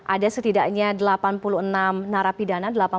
ada setidaknya delapan puluh enam narapidana delapan puluh enam orang